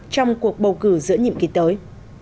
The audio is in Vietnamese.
trong cuộc bầu cử giữa nhiệm kỳ tới